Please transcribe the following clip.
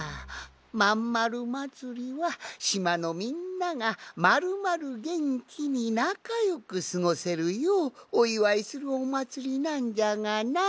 「まんまるまつり」はしまのみんながまるまるげんきになかよくすごせるようおいわいするおまつりなんじゃがなあ。